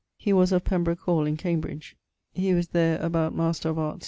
He was of Pembroke hall, in Cambridge. He was there about Master of Arts standing.